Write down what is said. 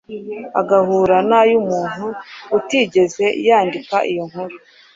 agahura na y`umuntu utigeze yandika iyo nkuru